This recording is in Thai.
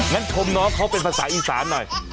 งั้นชมน้องเขาเป็นภาษาอีสานหน่อย